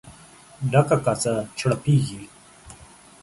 ډکه کاسه چړپېږي.